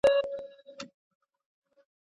روباټونه اوس زده کړه کوي.